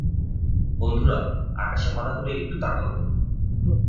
বন্ধুরা, আকাশে মাথা তুলে একটু তাকাও?